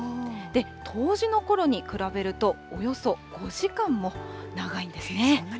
冬至のころに比べると、およそ５時間も長いんですね。